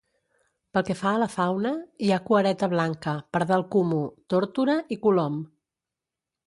Pel que fa a la fauna, hi ha cuereta blanca, pardal comú, tórtora i colom.